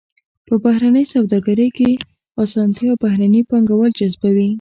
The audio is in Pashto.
په بهرنۍ سوداګرۍ کې اسانتیا بهرني پانګوال جذبوي.